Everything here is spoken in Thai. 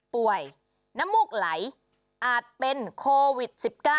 ป่วยนมุกไหลอาจเป็นโควิด๑๙